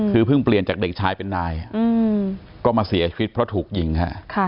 คือเพิ่งเปลี่ยนจากเด็กชายเป็นนายก็มาเสียชีวิตเพราะถูกยิงฮะ